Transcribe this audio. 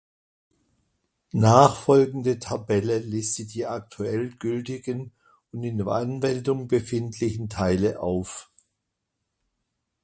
Nachfolgende Tabelle listet die aktuell gültigen und in Anwendung befindlichen Teile auf.